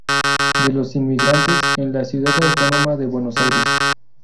De los Inmigrantes, en la Ciudad Autónoma de Buenos Aires.